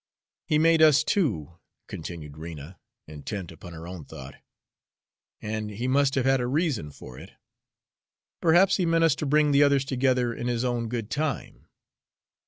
"He made us, too," continued Rena, intent upon her own thought, "and He must have had a reason for it. Perhaps He meant us to bring the others together in his own good time.